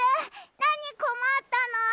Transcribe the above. なにこまったの？